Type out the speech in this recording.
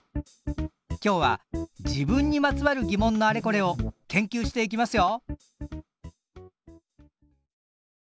今日は自分にまつわる疑問のあれこれを研究していきますよ！